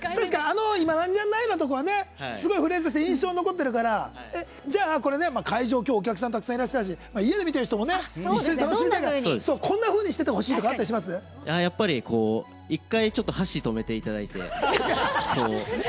「今なんじゃない」のところはフレーズとして印象に残ってるから会場、今日、お客さんがたくさんいらっしゃるし家にいる方も一緒に楽しめるようにこんなふうにしてほしいとか１回、箸を止めてもらって。